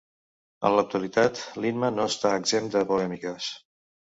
En l'actualitat l'himne no està exempt de polèmiques.